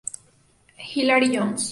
Hilary Jones.